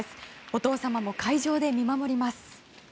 お父様も会場で見守ります。